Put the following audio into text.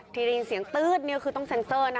ที่ได้ยินเสียงตื๊ดนี่คือต้องเซ็นเซอร์นะ